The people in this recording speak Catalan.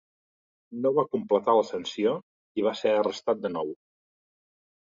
No va completar la sanció i va ser arrestat de nou.